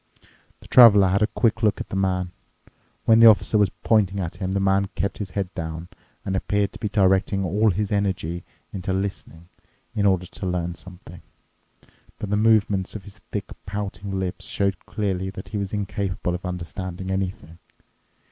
'" The Traveler had a quick look at the man. When the Officer was pointing at him, the man kept his head down and appeared to be directing all his energy into listening in order to learn something. But the movements of his thick pouting lips showed clearly that he was incapable of understanding anything.